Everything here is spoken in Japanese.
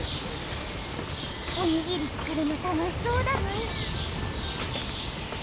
おにぎりつくるの楽しそうだね。